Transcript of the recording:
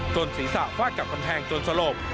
จนศีรษะฝากกับแผงจนสลบ